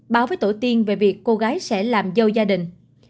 báo với tổ tiên về việc cô gái sẽ làm dâu gia đình